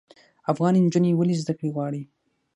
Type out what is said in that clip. افغان نجونې ولې زده کړې غواړي؟